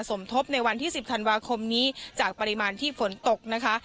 สมทบในวันที่๑๐ธันวาคมนี้จากปริมาณที่ฝนตกนะคะ